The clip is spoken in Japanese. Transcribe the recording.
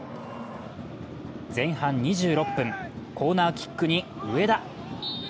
前半２６分、コーナーキックに上田。